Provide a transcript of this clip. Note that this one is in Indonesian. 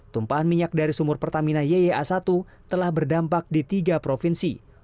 tumpahan minyak dari sumur pertamina yya satu telah berdampak di tiga provinsi